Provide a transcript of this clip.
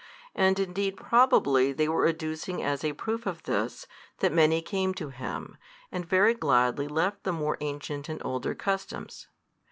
And indeed probably they were adducing as a proof of this, that many came to him, and very gladly left the more ancient and older customs.